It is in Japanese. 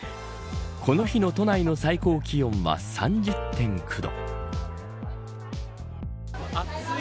この日の都内の最高気温は３０．９度。